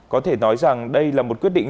có thể nói rằng đây là một quyết định